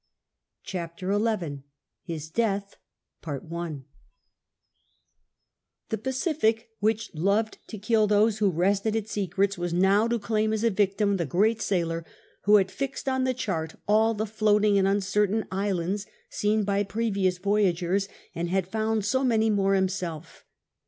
L CHAPTEE XI ms DEATH The Pacific, which loved to kill those who wrested its secrets, was now to claim as a victim the gi*cat sailor who had fixed on the chart all the floating and uncertain islands seen by previous voyagers, and had found so many more himself.